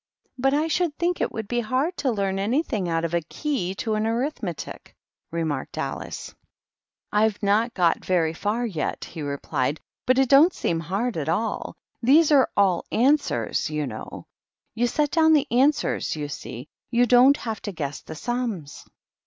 " But I should think it would be hard to learn anything out of a Key to an Arithmetic," remarked Alice. "■»" I've not got very far yet," he replied^; " but it don't seem hard at all. These are all answers^ you know. You set down the answers, you see ; you don't have to guess the sums."